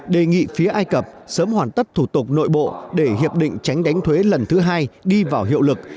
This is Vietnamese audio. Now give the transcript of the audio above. đề nghị phía ai cập sớm hoàn tất thủ tục nội bộ để hiệp định tránh đánh thuế lần thứ hai đi vào hiệu lực